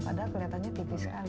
padahal kelihatannya tipis sekali